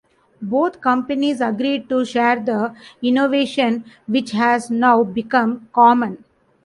Both companies agreed to share the innovation, which has now become common.